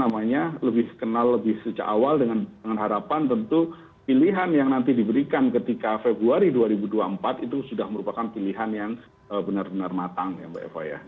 namanya lebih kenal lebih sejak awal dengan harapan tentu pilihan yang nanti diberikan ketika februari dua ribu dua puluh empat itu sudah merupakan pilihan yang benar benar matang ya mbak eva ya